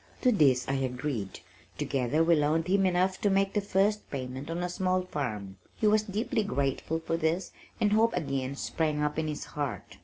To this I agreed. Together we loaned him enough to make the first payment on a small farm. He was deeply grateful for this and hope again sprang up in his heart.